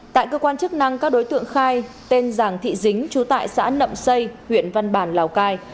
tại cơ quan chức năng các đối tượng khai tên giàng thị dính trú tại xã nậm xây huyện văn bản lào cai